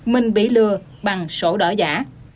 mình bị lừa bằng sổ đỏ giả